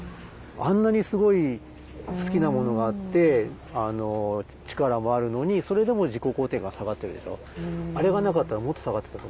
あんなにすごい好きなものがあって力もあるのにそれでも自己肯定感下がってるでしょ？